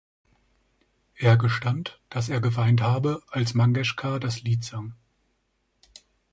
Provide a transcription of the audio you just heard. Er gestand, dass er geweint habe, als Mangeshkar das Lied sang.